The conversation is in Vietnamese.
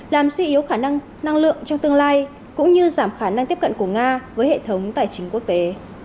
làm suy yếu khả năng năng lượng trong tương lai cũng như giảm khả năng tiếp cận của nga với hệ thống tài chính quốc tế